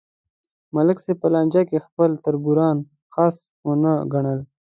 ملک صاحب په لانجه کې خپل تربوران خس ونه گڼل